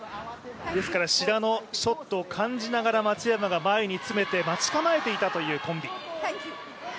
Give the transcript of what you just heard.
志田のショットを感じながら松山が前に詰めて待ち構えていたというコンビ。